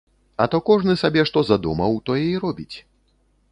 А то кожны сабе што задумаў, тое і робіць.